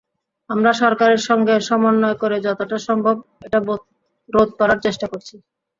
আমরা সরকারের সঙ্গে সমন্বয় করে যতটা সম্ভব এটা রোধ করার চেষ্টা করছি।